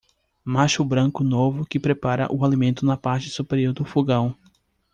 Macho branco novo que prepara o alimento na parte superior do fogão.